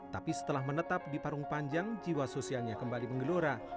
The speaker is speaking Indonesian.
tapi setelah menetap di parung panjang jiwa sosialnya kembali menggelora